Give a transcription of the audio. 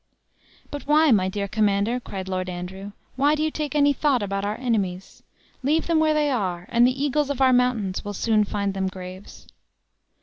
"But why, my dear commander," cried Lord Andrew, "why do you take any thought about our enemies? Leave them where they are, and the eagles of our mountains will soon find them graves."